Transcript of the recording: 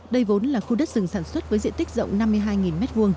đây vốn là khu đất rừng sản xuất với diện tích rộng năm mươi hai m hai